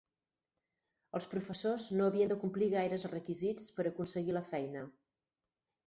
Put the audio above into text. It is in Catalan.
Els professors no havien de complir gaires requisits per aconseguir la feina.